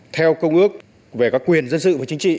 theo công ước về các quyền dân sự và chính trị